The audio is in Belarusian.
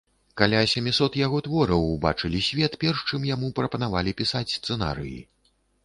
Каля сямісот яго твораў убачылі свет, перш чым яму прапанавалі пісаць сцэнарыі.